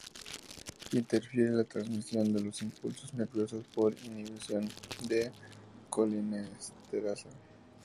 Interfiere la transmisión de los impulsos nerviosos por inhibición de la colinesterasa.